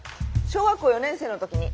小学校４年生の時に。